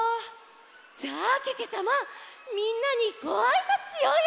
じゃあけけちゃまみんなにごあいさつしようよ！